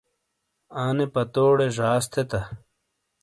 انے پتوڑے جاس تھیتا۔